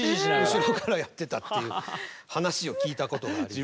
そこからやってたっていう話を聞いたことがあります。